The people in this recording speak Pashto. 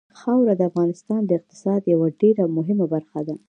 خاوره د افغانستان د اقتصاد یوه ډېره مهمه برخه ده.